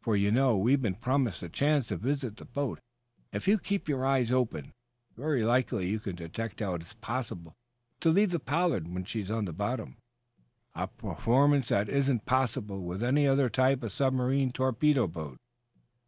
"For, you know, we've been promised a chance to visit the boat. If you keep your eyes open, very likely you can detect how it is possible to leave the 'Pollard' when she's on the bottom a performance that isn't possible with any other type of submarine torpedo boat."